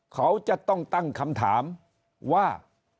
เขาจะต้องตั้งคำถามว่า